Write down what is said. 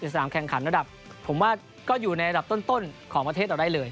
สนามแข่งขันระดับผมว่าก็อยู่ในอันดับต้นของประเทศเราได้เลย